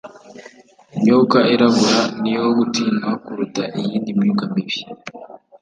Imyuka iragura (kuraguza) ni iyo gutinywa kuruta iyindi myuka mibi